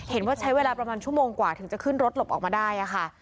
เห็นว่าใช้เวลาประมาณชั่วโมงกว่าถึงจะขึ้นรถหลบออกมาได้ค่ะ